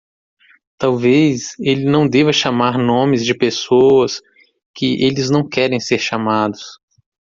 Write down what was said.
Talvez ele não deva chamar nomes de pessoas que eles não querem ser chamados.